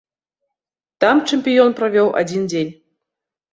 Там чэмпіён правёў адзін дзень.